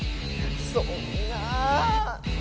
そんな。